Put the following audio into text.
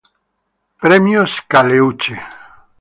Premios Caleuche